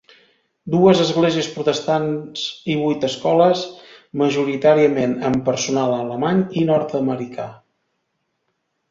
Dues esglésies protestants i vuit escoles, majoritàriament amb personal alemany i nord-americà.